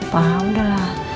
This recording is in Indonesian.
pak udah lah